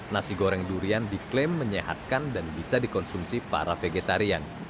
nasi goreng durian diklaim menyehatkan dan bisa dikonsumsi para vegetarian